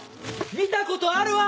見たことあるわ！